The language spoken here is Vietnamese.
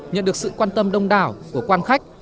nhận được sự quan tâm đông đảo của quan khách